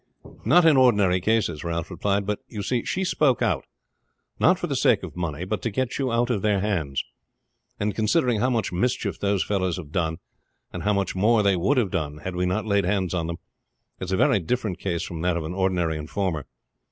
"Not in ordinary cases," Ralph replied. "But you see she spoke out, not for the sake of money, but to get you out of their hands. And considering how much mischief those fellows have done, and how much more they would have done had we not laid hands on them, it is a very different case from that of an ordinary informer.